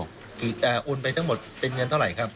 คือโอนไปทั้งหมดเป็นเงินเท่าไหร่ครับ